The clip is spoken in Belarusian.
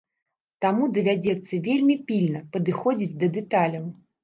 Таму давядзецца вельмі пільна падыходзіць да дэталяў.